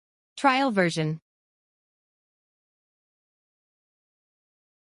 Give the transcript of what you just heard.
It was a four-stage rocket with all solid-propellant motors.